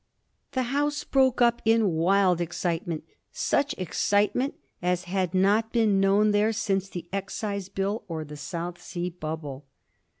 The House broke up in wild excitement; such excite ment as had not been known there since the Excise Bill or the South Sea Bubble.